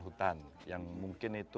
hutan yang mungkin itu